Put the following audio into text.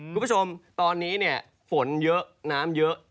คุณผู้ชมตอนนี้เนี่ยฝนเยอะน้ำเยอะ